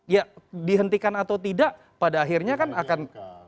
ya dihentikan atau tidak pada akhirnya kan akan